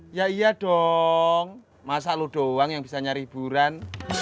ya iya dong masak lu doang yang bisa nyari hiburan